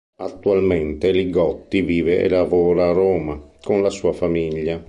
Attualmente Li Gotti vive e lavora a Roma, con la sua famiglia.